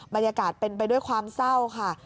บรรยากาศเป็นไปด้วยความเศร้าค่ะ